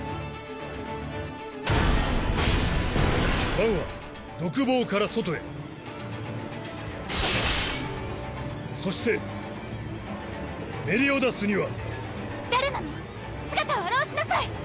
バンは独房から外へそしてメリオダスには誰なの⁉姿を現しなさい！